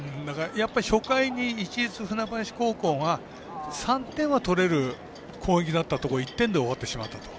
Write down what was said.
初回に市立船橋が３点を取れる攻撃だったところを１点で終わってしまったと。